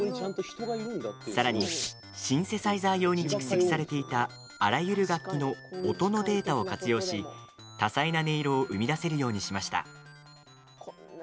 さらに、シンセサイザー用に蓄積されていた、あらゆる楽器の音のデータを活用し、多彩な音色を生み出せるようにしました。